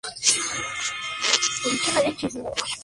Todas ellas tienen como origen la ciudad de Santander.